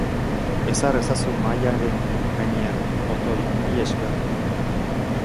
Ezar ezazu mahainaren gainean, otoi. Milesker.